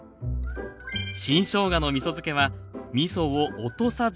新しょうがのみそ漬けはみそを落とさずそのままで。